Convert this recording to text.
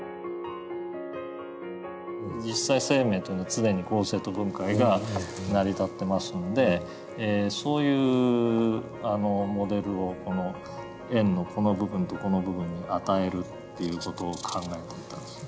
実際生命というのは常に合成と分解が成り立ってますんでそういうモデルをこの円のこの部分とこの部分に与えるっていう事を考えてみたんですね。